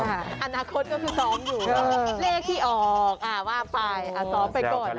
อนาคตก็คือซ้อมอยู่เลขที่ออกว่าไปซ้อมไปก่อน